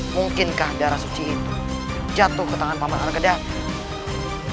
mungkinkah darah suci itu jatuh ke tangan paman anak kecil